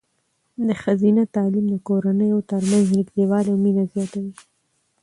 د ښځینه تعلیم د کورنیو ترمنځ نږدېوالی او مینه زیاتوي.